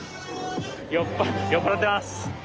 よっぱ酔っ払ってます。